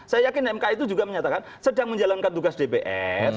saya yakin mk itu juga menyatakan sedang menjalankan tugas dpr